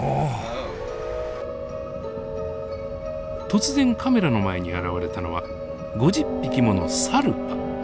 突然カメラの前に現れたのは５０匹ものサルパ。